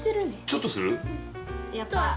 ちょっとする？